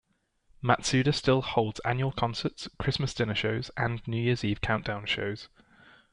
Matsuda still holds annual concerts, Christmas dinner shows and New Year's Eve Countdown shows.